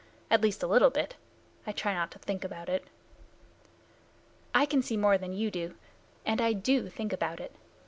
"At least a little bit. I try not to think about it." "I can see more than you, and I do think about it.